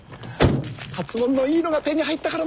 初物のいいのが手に入ったから持ってきた。